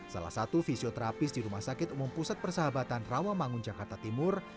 salah satu fisioterapis di rumah sakit umum pusat persahabatan rawamangun jakarta timur